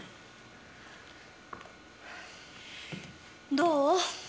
どう？